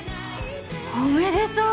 おめでとう！